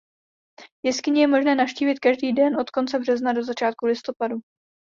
Jeskyni je možné navštívit každý den od konce března do začátku listopadu.